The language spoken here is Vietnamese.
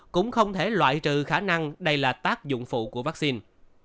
cũng không thể loại trừ khả năng đây là tác dụng phụ của vaccine